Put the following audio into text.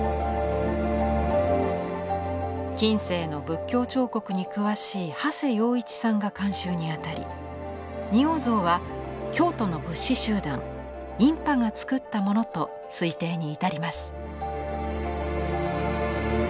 近世の仏教彫刻に詳しい長谷洋一さんが監修に当たり仁王像は京都の仏師集団院派がつくったものと推定に至ります。